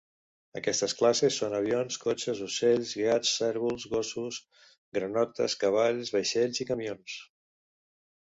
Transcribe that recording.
Aquestes classes són avions, cotxes, ocells, gats, cérvols, gossos, granotes, cavalls, vaixells i camions.